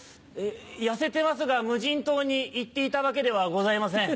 痩せてますが無人島に行っていたわけではございません。